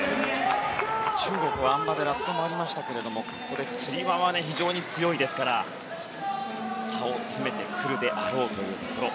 中国はあん馬で落下がありましたけどもつり輪は非常に強いですから差を詰めてくるであろうというところ。